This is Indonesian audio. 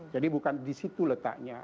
bukan di situ letaknya